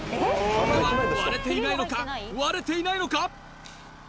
これは割れていないのか割れていないのか？